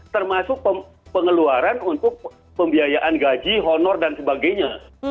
termasuk pengeluaran untuk pembiayaan gaji honor dan sebagainya